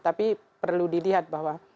tapi perlu dilihat bahwa